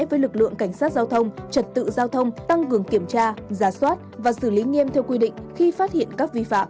với lực lượng cảnh sát giao thông trật tự giao thông tăng cường kiểm tra giả soát và xử lý nghiêm theo quy định khi phát hiện các vi phạm